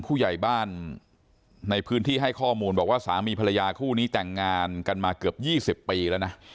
ผู้ใหญ่บ้านในพื้นที่ให้ข้อมูลบอกว่าสามีภรรยาคู่นี้แต่งงานกันมาเกือบ๒๐ปีแล้วนะ